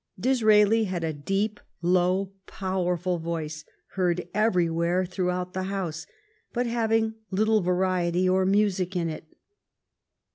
Dis raeli had a deep, low, powerful voice, heard every where throughout the House, but having little variety or music in it.